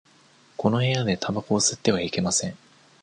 この部屋でたばこを吸ってはいけません。